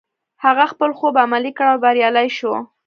هغه خپل خوب عملي کړ او بريالی شو.